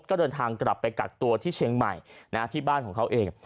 ก็เดินทางกลับไปกักตัวที่เชียงใหม่ที่บ้านของเขาเอง